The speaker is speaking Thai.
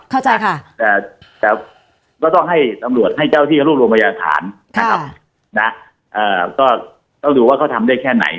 เข้าใจค่ะแต่ก็ต้องให้ตำรวจให้เจ้าที่รวบรวมพยาฐานนะครับนะก็ต้องดูว่าเขาทำได้แค่ไหน